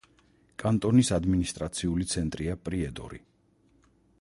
კანტონის ადმინისტრაციული ცენტრია პრიედორი.